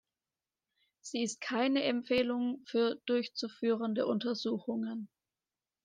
Sie ist keine Empfehlung für durchzuführende Untersuchungen.